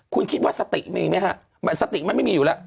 คุณคิดว่าสติมีไหมฮะสติมันไม่มีอยู่แล้ว